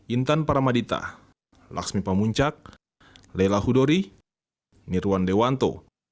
intan paramadita laksmi pamuncak lela hudori nirwan dewanto